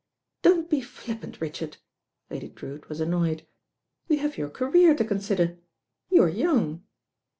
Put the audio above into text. "Don't be flippant, Richard." Lady Drewitt was annoyed. "You have your career to consider. You are young."